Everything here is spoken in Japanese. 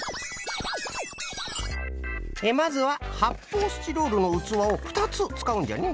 まずははっぽうスチロールのうつわをふたつつかうんじゃね。